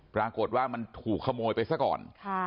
ปรากฏว่ามันถูกขโมยไปซะก่อน